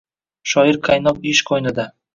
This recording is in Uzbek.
Shoir qaynoq ish qo’ynida